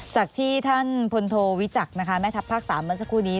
จากที่ท่านพนโทวิจักรแม่ทัพภาคสามเมื่อสักครู่นี้